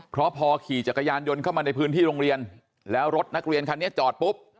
เพราะพอขี่จักรยานยนต์เข้ามาในพื้นที่โรงเรียนแล้วรถนักเรียนคันนี้จอดปุ๊บ